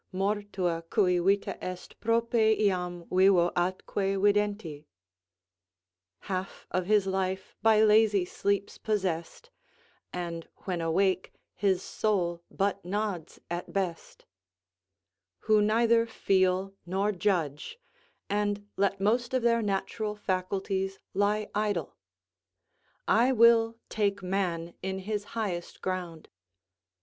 Mortua cui vita est prope jam vivo atque videnti; "Half of his life by lazy sleep's possess'd, And when awake his soul but nods at best;" who neither feel nor judge, and let most of their natural faculties lie idle; I will take man in his highest ground.